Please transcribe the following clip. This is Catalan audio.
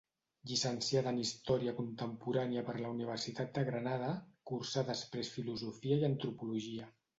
Llicenciada en Història Contemporània per la Universitat de Granada cursà després Filosofia i Antropologia.